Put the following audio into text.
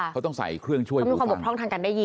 เขาต้องใส่เครื่องช่วยดูฟัง